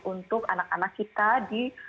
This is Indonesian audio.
untuk anak anak kita di